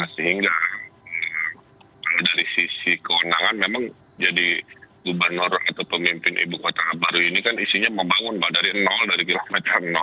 sehingga dari sisi keundangan memang jadi gubernur atau pemimpin ibu kota baru ini kan isinya membangun dari nol dari kilometer nol